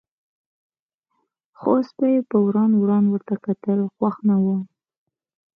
خو سپي په وران وران ورته کتل، خوښ نه و.